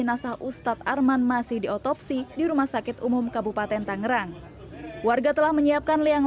nasah ustadz arman masih diotopsi di rumah sakit umum kabupaten tangerang warga telah menyiapkan liang